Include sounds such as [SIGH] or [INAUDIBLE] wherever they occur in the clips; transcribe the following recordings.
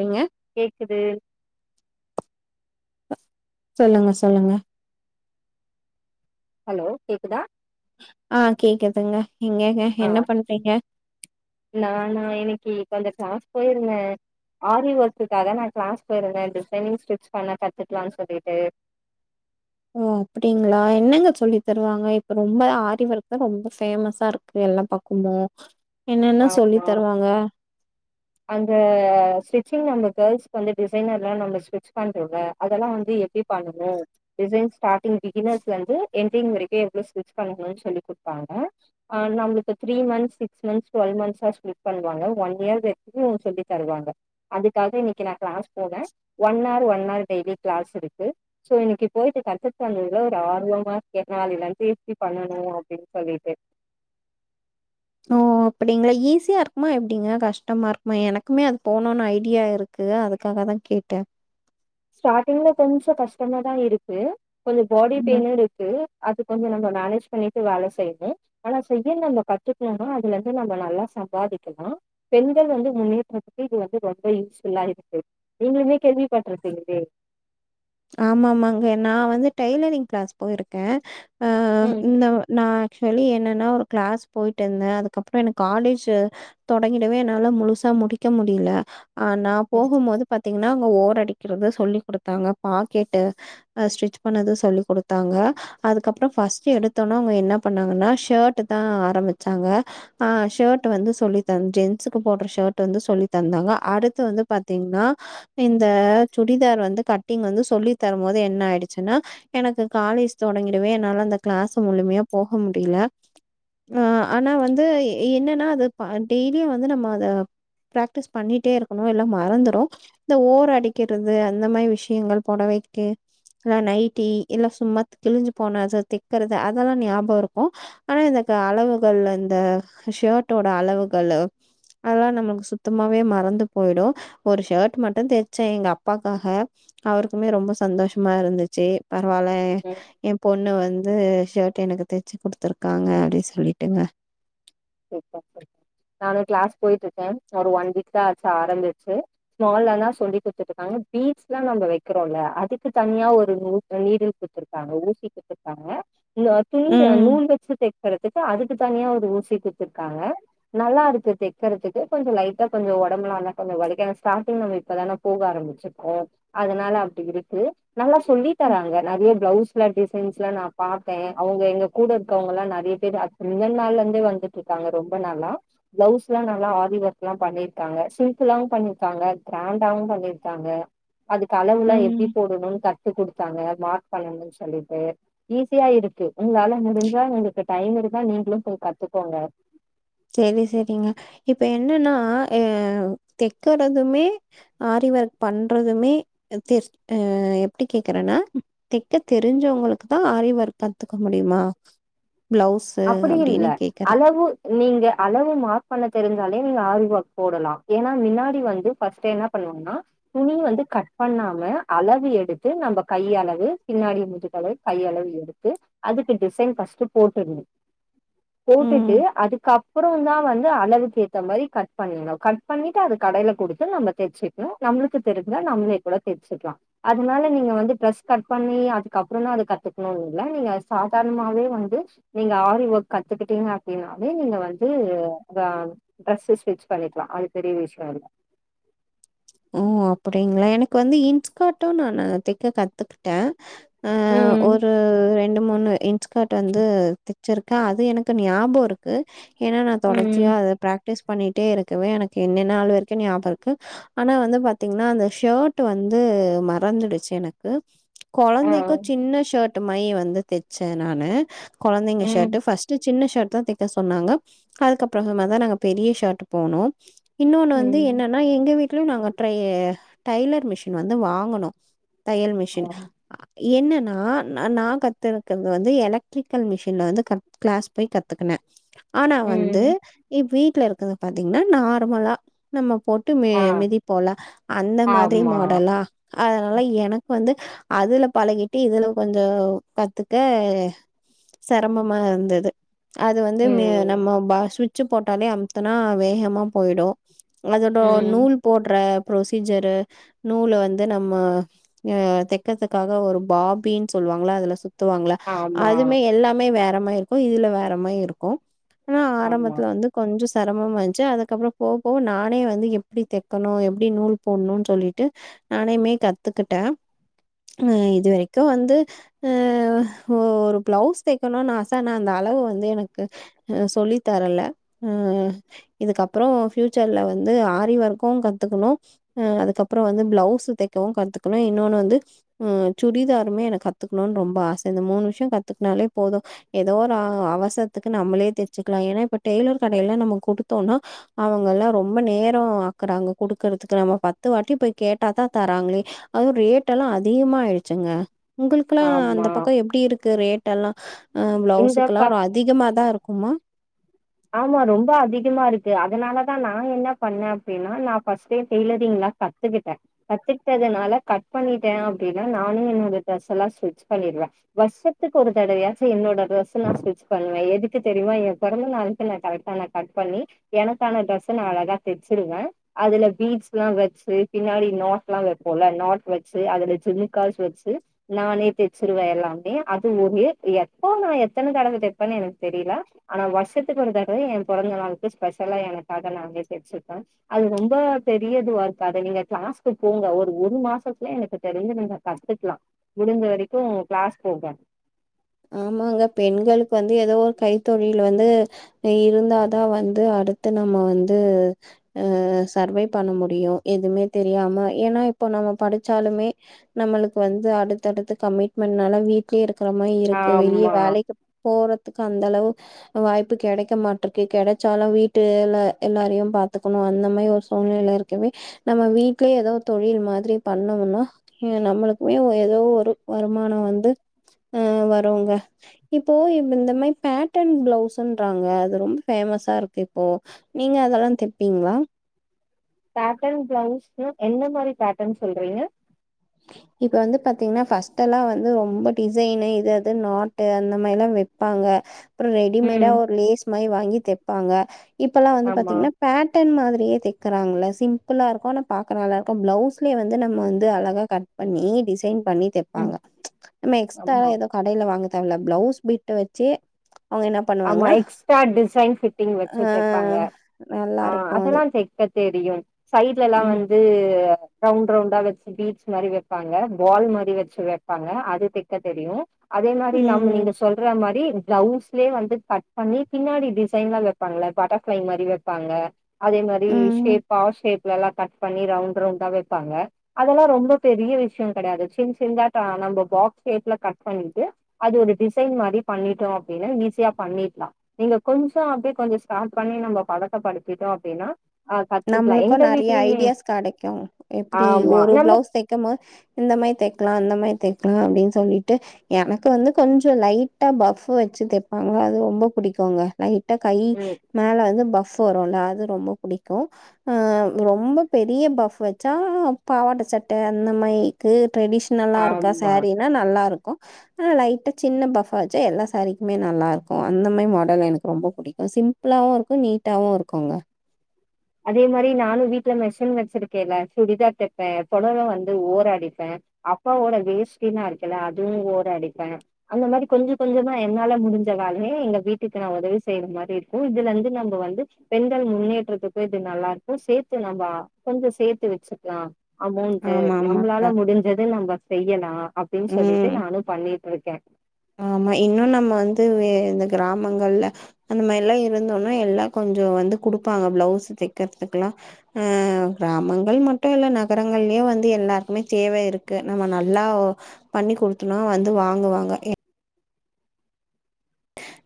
ரிங்க கேக்குது அ சொல்லுங்க சொல்லுங்க ஹலோ கேக்குதா ஆஹ் கேக்குதுங்க யெங்கங்க ஆ யென்ன பண்றீங்க போயிருந்த ஆரி வர்க்குக்காக நா கிளாஸ் போயிருந்த டிசைனிங் ஸ்டிச் பண்ண கத்துக்கலானு சொல்லிட்டு ஓ அப்டிங்களா என்னங்க சொல்லி தருவாங்க இப்ப ரொம்ப ஆரிவர்க்தா ரொம்ப ஃபேமசாருக்கு எல்லா பக்கமு என்னென்ன சொல்லி ஆமா தருவாங்க அந்த ஸ்டிச்சிங் நம்ம கேர்ள்ஸ்க்வந்து டிசைனர்ல்லா நம்ம ஸ்டிச் பண்றோல்ல அதெல்லா வந்து எப்டி பண்ணணு டிசைன் ஸ்டாட்டிங் பிகினர்ஸ்லிந்து எண்டிங் வரைக்கு எவ்ளோ ஸ்டிச்பண்ணணும் சொல்லி குட்ப்பாங்க அ நம்ளுக்கு three months six months twelve மன்த்ஸா ஸ்பிளிட் பண்ணுவாங்க வன் இயர் [INAUDIBLE] சொல்லி தருவாங்க அதுக்காக இன்னைக்கு நா கிளாஸ் போன one hour one hour daily கிளாஸிருக்கு சோ இன்னைக்கு போயிட்டு கத்து தந்ததுல ஒரு ஆர்வமா இர்கே நாலைலிந்து இப்டி பண்ணனு அப்டின்னு சொல்லிட்டு ஓ அப்டிங்களா ஈஸியாருக்குமா யெப்டிங்க கஷ்டமாருக்குமா எனக்குமே அது போணுனு ஐடியா இருக்கு அதுக்காக தா கேட்டேன் ஸ்டார்ட்டிங்ல கொஞ்சொ கஷ்டமா தா இருக்கு கொஞ்சொ போடி ம் பெயின்னிருக்கு அது கொஞ்சொ நம்ம மேனேஜ் பண்ணிட்டு வேல செய்னு ஆனா செய்ய நம்ம கத்துக்ணும்னா அதுலிருந்து நம்ம நல்லா சம்பாதிக்கலா பெண்கள் வந்து முன்னேற்றத்துக்கு இது வந்து ரொம்ப யூஸ்ஃபுல்லா இருக்கு நீங்களுமே கேள்விப்பட் ருட்டிங்க டே ஆமாமாங்க நா வந்து டெய்லரிங் கிளாஸ் போயிருக்கேன் ஆஹ் ம் இந்த நா ச்சுவலி யென்னனா ஒரு கிளாஸ் போயிட்டிருந்த அதுக்கப்றோ எனக்கு காலேஜு தொடங்கிடவே என்னால முழுசா முடிக்க முடில ஆ நா ம் போஹும்மோது பாத்தீங் னா அங்க ஓரடிக்கிறது சொல்லிக் குடுத்தாங்க பாக்கெட்டு அ ஸ்டிச் பண்ணது சொல்லி குடுத்தாங்க அதுக்கப்றம் ஃபஸ்ட்டு எடுத்தோனா அவுங்க என்ன பண்ணாங்கன்னா ஷேர்ட்டு தா ஆரம்பிச்சாங்க ஆஹ் ஷேர்ட்டு வந்து சொல்லி தந் ஜென்ஸுக்கு போடுற ஷேர்ட்டு வந்து சொல்லி தந்தாங்க அடுத்து வந்து பாத்தீங்ன்னா இந்த சுடிதார் வந்து கட் ட்டிங் வந்து சொல்லி தரும்மோது என்ன ஆயிடுச்சுன்னா எனக்கு காலேஜ் தொடங்கிடவே என்னால அந்த கிளாஸ முழுமயா போஹ முடில. அ ஆனா வந்து என்னனா அது ப டெய்லியு வந்து நம்ம அத பிராக்டிஸ் பண்ணீட்டே இருக்கனு இல்ல மறந்துரு இந்த ஓர அடிக்கிறது அந்த மாரி விஷ் ஷியங்கள் பொடவைக்கு இல்ல நைட்டி இல்லா சும்மாத் கிழிஞ்சு போன அது தெக்கறது அதெல்லா ஞ்யாபோ இருக்கு ஆனா இந்த க அளவுகள் இந்த ஷேர்ட்டோட அளவுகள்லு அதல்லா நமக்கு சுத்தமாவே மறந்து போயிடு ஒரு ஷேர்ட் மட்டு தெச்சேன் எங்க அப்பாக்காஹ அவருக்குமே ரொம்ப சந்தோஷமா இருந்துச்சு பரவால ம் என் பொண்ணு வந்து ஷேர்ட் எனக்கு தெச்சு குடுத்துருக்காங்க அடி சொல்லிட்டுங்க நானு கிளாஸ் போயிட்டுருக்கே ஒரு ஒன் வீக்தா ஆச்சி ஆரம்பிச்சு மோல்லதான் சொல்லி குடுத்துட்டுருக்காங்க பீட்ஸ்ல்லாம் நம்ப வைக்கிறோல்ல அதுக்கு தனியா ஒரு நீடில் குத்துருக்காங்க ஊசி குடுத்துருக்காங்க துணி ம். நூல் வச்சு தெக்கறதுக்கு அதுக்கு தனியா ஊசி கு துருக்காங்க நல்லாருக்கு தெக்கறதுக்கு கொஞ்சம் லைட்டா கொஞ்ச ஒடம்புலா ஆனா வலிக்க தான் ஸ்டார்ட்டிங் நம்ம இப்பதானே போக ஆரம்பிச்சிருக்கோ அதனால அப்டியிருக்கு நல்லா சொல்லி ம். தராங்க நெறய ப்ளவுஸ் டிசைன்ஸ்லா நா பாத்தே அவுங்க எங்க கூட இருக்கவங்கலா நெறய பேர் அததக்கு முந்தன நாள்லருந்தே வந்து ட்ருக்காங்க ரொம்ப நாளா பிளவுஸ்லா நல்லா ஆரி ஒர்க்லா பண்ணிருக்காங்க சிம்பிளாவும் பண்ணிருக்காங்க கிராண்ட் டாவும் பண்ணிருக்காங்க அதுக்கு அளவுலா ம். எப்பிடி போடணுன் கத்துக்குடுத் தாங்க மார்க் பண்ணனு சொல்லிட்டு ஈஸியாயிருக்கு உங்களால முடிஞ்சா உங்களுக்கு டைம் இருந்தா நீங்களும் போய் கத்துக் கோங்க சேரி சேரிங்க இப்ப என்னன்னா அஹ் தெக்கறதுமே ஆரி ஒர்க் பண்றதுமே தெ அஹ் எப்டி கேக்குறேன்னா தெக்க தெரிஞ்சவங்களுக்கு தா ஆரி ஒர்க் கத்துக்க முடியுமா ப்ளவுஸு அப்படி இல்ல அப்படின்னு கேட்கிறா. அளவு நீங்க அளவு மார்க் பண்ண தெரிஞ்சாலே நீங்க ஆரிவொர்க் போடலா ஏன்னா மின்னாடி வந்து ஃபர்ஸ்ட் என்ன பண்ணுவாங்னா துணி வந்து கட் பண்ணாம அளவு எடுத்து நம்ம கையளவு பின்னாடி முதுகளவு கையளவு எடுத்து அதுக்கு டிசைன் ஃபர்ஸ்ட் போட்டுர்ணு ம். போட்டுட்டு அதுக்கப்றந்தா வந் அளவுக்கு கேத்த மாரி கட் பண்ணுங்க கட் பண்ணிட்டு அது கடையில குடுத்து நம்ப தெச்சுக்கணு நம்மளுக்கு தெரிஞ்சா நம்மளே கூட தெச்சிக்லா அதனால நீங்க வந்து டிரஸ் கட் பண்ணி அதுக்கப்றந்தா அத கத்துக்கணுன்னுல நீங்க சாதாரணமாவே வந்து நீங்க ஆரி ஒர்க் கத்துக்கிட்டீங்க அப்படினாலே நீங்க வந்து உங்க ட்ரெஸ் ஸ்டிச் பண்ணிக்கலாம் அது பெரிய விஷயம் இல்ல ஓ அப்படிங்களா எனக்கு வந்து இன்ஸ்கட்டும் நானு தைக்க கத்துக்கிட்டே ஆஹ் ம் ஒரு ரெண்டு மூனு இ இன்ஸ்கட் வந்து தைக் ச்சிருக்கே அது எனக்கு ஞாபோ இருக்கு ஏன்னா நா ம் தொடர்ச்சியா அது பிராக் டீஸ் பண்ணிட்டே இருக்கவே எனக்கு இன்னென்னாள் வரைக்கு ஞாபக இருக்கு ஆனா வந்து பாத்தீங்கன்னா அந்த ஷர்ட் வந்து மறந்துடுச்சு எனக்கு ஆ கொழந்தைக்கு சின்ன ஷர்ட் மாரி வந்து தச்சே நானு கொழந்தைங்க ஷர்ட் ம் ஃபஸ்ட் சின்ன ஷ ர்ட் தா தக்க சொன்னாங்க அதுக்கப்புறமா தா நாங்க பெரிய ஷர்ட் போனோ இன்னொன்னு வந்து ம் என்னன்னா எங்க வீட் லயு நாங்க ட்ரையே டைலர் மிஷின் வந்து வாங்கனு தையல் ஆ மிஷின் என்னன்னா நா நா கத்துருக்கது வந்து எலக்ட்ரிக்கல் மிஷின்ல வந்து கிளாஸ் போய் கத்துக்கனே ஆனா வந்து ம் இ வீட் டுல இருக்குது பாத்தீங்கன்னா நார்மலா நம்ம போட்டு மே ஆ மிதிப் போல அந்த மாதிரி ஆமா மாடலா அதனால எனக்கு வந்து அதுல பழகிட்டு இதுல கொஞ்சோ கத்துக்க சிரமமா இருந்தது அது வந்து ம் நம்ம [UNINTELLIGIBLE] ச்சு போட்டாலே அமுதுனா வேகமா போயிடு அதோட ம் நூல் போடுற புரோசீஜர் நூல வந்து நம்ம தைக்கிறதுக்காக ஒரு பாபின் சொல்லுவாங்களா அதுல சு த்துவாங்கள ஆமா அதுமே எல்லாமே வேற மாரி இருக்கு இதுல வேற மாரி இருக்கு ஆனா ஆமா ஆரம்பத்துல வந்து கொஞ்சோ சிரமம் வன்சு அதுக்கப்புற போக போக நானே வந்து எப்டி தெ க்கணும் எப்டி நூல் போடணும்னு சொல்லிட்டு நானுமே கத்துக்கிட்டே இதுவரைக்கு வந்து ஒரு பிளவுஸ் தேக்கணும்னு ஆச நா அந்த அளவு வந்து எனக்கு சொல்லி தரல ம்ம் இதுக்கப்புறம் பியூச்சர்ல வந்து ஆரிவொர்க் க்கும் கத்துக்கணு அஹ் அதுக்கப்புற வந்து பிளவுஸ் தைக்கவு கத்துக்கணு இன்னொன்னு வந்து சுடிதாருமே எனக்கு கத்துக்கணும்னு ரொம்ப ஆச இந்த மூணு விஷயம் கத்துக்கனாலே போதும் ஏதோ ஒரு அவசரத்துக்கு நம்மளே தச்சுக்கலா ஏன்னா இப்ப டெய்லர் கடையெல்லா நம்ம குடுத்தோம்னா அவங்க எல்லா ரொம்ப நேரம் ஆக் குதாங்க குடுக்கறதுக்கு நம்ம பத்து வாட்டி போய் கேட்டா தா தராங்களே ரேட் எல்லா அதி அதிகமா ஆயிடுச்சுங்க உங்களுக்கெல்லா ஆமா அந்தப்பக்கம் எப்டி இருக்கு ரேட் எல்லா இந்த பக் ப்ளவுகுகெல்லா அதிகமாக தா இருக்கு குமா ஆமா ரொம்ப அதிகமா இருக்கு அதனாலதா நா என்ன பண்ணே அப்டின்னா நா ஃபர்ஸ்ட் டெய்லரிங்லாம் கத்துக்கிட்டே கத்துக்கிட்டதுனால கட் பண்ணிட்டே அப்படின்னா நானே என்னோட டிரெஸ்ல்லா ஸ்டிட்ச் பண்ணிடுவே வருஷத்துக்கு ஒரு தடவையாச்சு என்னோட ட்ரெஸ்ஸ நா ஸ்டிட்ச் பண்ணுவே எதுக்கு தெரியுமா ஏ பெறந்த நாளுக் கரெக்டா கட் பண்ணி எனக்கான ட்ரஸ் ச நா அழகா தெச்சுருவே அதுல பீட்சுலா வெச்சு பின்னாடி நாட்ல் வெப்போம்ல அதுல ஜூம் காஸ் வெச்சு நானே தெச்சுருவே எல்லாமே அது ஒரு எத்தன தடவ தெப்பனு எனக்கே தெரில ஆனா வருஷத்துக்கு கத்துக்கறதாக ஏ பெறந்த நாளுக்கு ஸ்பெஷலா எனக்காக நா தைச்சுபே அது ரொம்ப பெரியதுவா இருக்க அத நீங்க கிளாஸ்க்கு போங்க ஒரு ஒரு மாசத்துல எனக்கு தெரிஞ்ச நீங்க கத்துக்கலா முடிஞ்ச வரைக்கு கிளாஸ் போங்க ஆமாங்க பெண்களுக்கு வந்து ஏதோ ஒரு கைத்தொழில் வந்து இருந்தாதா வந்து அடுத்து நம்ம வந்து சர்வை பண்ண முடியு எதுவுமே தெரியாம ஏன்னா இப்ப நம்ம படிச்சாலுமே நம்மளுக்கு வந்து அடுத்தடுத்து கமிட்மெண்ட்னால வீட்ல இருக்கிற மாத வெளிய ஆமா வேலைக்கு போற க்கு அந்த அளவு வாய்ப்பு கெடைக்க மாட்டிருக்கு கெடைச்சாலு வீட்ல எல்லாரையு பாத்துக்கணு அந்த மாரி ஒரு சூழ்நிலைல இருக்கவே நம்ம வீட்லயே எதோ தொழில் மாரி பண்ணோம்னா ஹ நம்மளுக்குமே ஏதோ ஒரு வருமானம் வந்து அஹ் இப்போ இந்த மாரி பேட்டன் பிளவுஸ்ங்ராங்க அது ரொம்ப பேமஸ்ஸா இருக்கு இப்போ நீங்க அதெல்லா தைப்பீங்களா பேட்டர்ன் பிளவுஸ் எந்த மாரி பேட்டர்ன் சொல்றீங்க இப்ப வந்து பாத்தீங்கன்னா ஃபர்ஸ்ட் எல்லா வந்து ரொம்ப டிசைனு இது அது நாட்டு அந்த மாரில்லா வைப்பாங்க அப்புறம் ரெடிமேடா ம் ஒரு லேஸ் மாரி வாங்கி தெ இருப்பாங்க இப்பெல்லா வந்து ஆமா பாத்தீங்கன்னா பேட்டர்ன் மாரி தைக்குறாங்கள சிம்பிளா இருக்கு ஆனா பாக்க நல்லா இருக்கு பிளவுஸ்லய வந்து நம வந்து அழகா கட் பண்ணி டிசைன் பண்ணி தெப்பாங்க ம் நம்ம எக்ஸ்டரா ஆமா எது கடைல வாங்க பிளவுஸ் பிட்ட வெச்சே ஆமா எக்ஸ்ட்ரா டிசைன் ஃபிட்டிங் அ வெச்சு தெப்பாங்க ஆஹ் நல்லாருக்கும் அது. அதெல்லா தெரியு சைட்லல்லா ம். வந்து ரவுண்ட் ரவுண்டா வெச்சு பீட்ஸ் மாரி வைப்பாங்க பால் மாரி வெச்சு வைப்பாங்க அது தெக்க தெரியு அதே மாரி நம் ம் நீங்க சொல்ற மாரி டவுஸ் வந்து கட் பண்ணி பின்னாடி டிசைன்லாம் வெப்பாங்கள பட்டர்ஃபிளை மாதிரி வெப்பாங்க அதே மாதிரி ம் ஷேப்பா ஷே நல்லா கட் பண்ணி ரவுண்ட் ரவுண்டா வெப்பாங்க அதெல்லாம் ரொம்ப பெரிய விஷயம் கெடையாது சின் சின்னதா நம்ப பாக்ஸ் ஷேப்ல கட் பண்ணிட்டு அது ஒரு டிசைன் மாதிரி பண்ணிட்டோம் ஈஸியா பண்ணிடலாம் நீங்க கொஞ்சம் அப்படியே கொஞ்சம் ஸ்டார்ட் பண்ணி நம்ம பழக்கபடுத்திட்டோம் அப்படின்னா நம்மளுக்கும் நறைய ஐடியாஸ் கெடைக்கும் எப்படி ஆமா ஒரு நம்ம பிளவுஸ் தைக்கும் போது இந்த மாதிரி தெக்கலாம் அந்த மாதிரி தெக் அப்படின்னு சொல்லிட்டு எனக்கு வந்து கொஞ்சம் லைட்டா பஃப் வெச்சு தெப்பாங்க அது ரொம்ப பிடிக்கும்ங்க லைட் ட்ட கை ம் மேல வந்து பஃப் சோ வரும்ல அது ரொம்ப புடிக்கு கும் ஹ ரொம்ப பெரிய பஃவ் வெச்சா பாவாடை சட்டை அந்த மாதிரிக்கு ட்ரெடிஷ்னலாக இருக்கா ஆமா சேரீனா நல்லாருக்கும் ஆனா லைட்டா சின்ன பஃபா வெச்சா எல்லா சாரிக்குமே நல்லா இருக்கும் அந்த மாதிரி மாடல் எனக்கு ரொம்ப பிடிக்கும் சிம்பிளாவும் இருக்கும் நீட்டாவும் இருக்கும்ங்க அதே மாதிரி நானும் வீட்டுல மிஷன் வெச்சிருக்கேல்ல சுடிதார் தைப்பேன் புடவல வந்து ஓராடிப்பேன் அப்பாவோட வேஷ்டின்ல்லாம் இருக்கல்ல அதுவும் ஓராடிப்பேன் அந்த மாதிரி கொஞ்சம் கொஞ்சமா என்னால முடிஞ்ச வேலையே எங்க வீட்டுக்கு நான் உதவி செய்யற மாதிரி இருக்கும் இதுல இருந்து நம்ம வந்து பெண்கள் முன்னேற்றத்துக்கு து நல்லா இருக்கும் சேர்த்து நம்ம கொஞ்சம் சேர்த்து வெச்சுக்கலாம் அமௌண்ட் ஆமா ஆமாங்க நம்மளால முடிஞ்சது நம்ம செய்யலாம் அப்படின்னு சொல்லிட்டு ம் நானும் பண்ணின் ஓகே ஆமா இன்னும் நம்ம வந்து இந்த கிராமங்கள்ல அந்த மாதிரி எல்லாம் இருந்தோம்னா எல்லாம் கொஞ்சம் வந்து குடுப்பாங்க பிளவுஸ் தைக்கறதுக்குெல்லாம் அஹ் கிராமங்கள் மட்டும் இல்ல நகரங்கள்லயே வந்து எல்லாருக்குமே தேவை இருக்கு நம்ம நல்லா பண்ணி குடுத்தோனா வந்து வாங்குவாங்க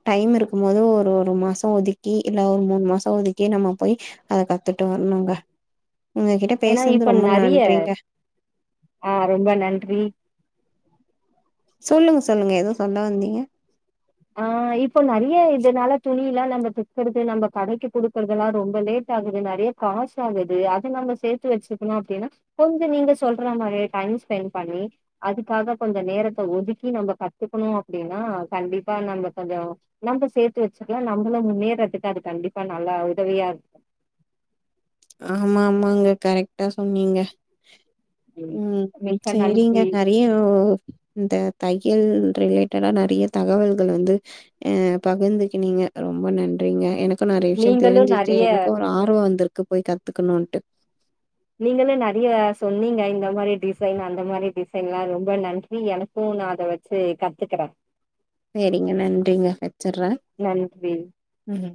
டைம் இருக்கும் போது ஒரு ஒரு மாசம் ஒதுக்கி இல்ல ஒரு மூணு மாசம் ஒதுக்கி நாம போய் அத கத்துட்டு வரணும்ங்க ஏன்னா இப்ப நறைய ஆஹ் ரொம்ப நன்றி சொல்லுங்க சொல்லுங்க எதுவும் சொல்ல வந்தீங்க ஆஹ் இப்ப நறைய இதனால துணி எல்லாம் நம்ம தக்குறது நம்ம கடைக்கு குடுக்கறதெல்லாம் ரொம்ப லேட் ஆகுது நறைய காசு ஆகுது அதை நம்ம சேர்த்து வெச்சுக்கணும் அப்படின்னா கொஞ்சம் நீங்க சொல்ற மாதிர டைம் ஸ்பெண்ட் பண்ணி அதுக்காக கொஞ்சம் நேரத்த ஒதுக்கி நம்ம கத்துக்கணும் அப்படின்னா கண்டிப்பா அப்ப நம்ம கொஞ்சம் நம்ம சேர்த்து வெச்சுக்கலாம் நம்மளும் முன்னேறதுக்கு அது கண்டிப்பா நல்லா உதவியா இருக்கு ஆமா ஆமாங்க கரெக்டா சொன்னீங்க இருக்கும் உம் மிக்க செரிங்க நன்றி நெறைய ஒ இந்த தையல் ரிலேட்டடா நறைய தகவல்கள் வந்து அஹ் பகிர்ந்துக்கனீங்க ரொம்ப நன்றிங்க எனக்கு நறைய விஷயம் நீங்களும் தெரிஞ்சுச்சு நெறைய எனக்கு ஒரு ஆர்வம் வந்திருக்கு க்கு போய் கத்துக்கணும்ன்ட்டு நீங்களும் நிறைய சொன்னீங்க இந்த மாதிரி டிசைன் அந்த மாதிரி டிசைன் எல்லாம் ரொம்ப நன்றி எனக்கும் நான் அத வெச்சு கத்துக்கறேன் செரிங்க நன்றிங்க வெச்சர்றேன் நன்றி உம்